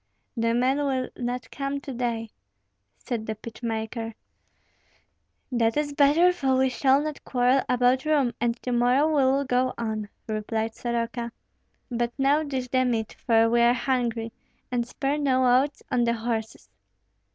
"The men will not come to day," said the pitch maker. "That is better, for we shall not quarrel about room, and to morrow we will go on," replied Soroka; "but now dish the meat, for we are hungry, and spare no oats on the horses."